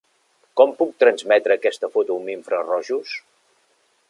Com puc transmetre aquesta foto amb infrarojos?